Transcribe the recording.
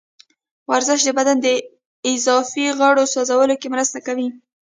ورزش د بدن د اضافي غوړو سوځولو کې مرسته کوي.